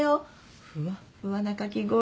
ふわっふわなかき氷。